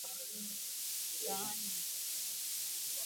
Sahani imepotea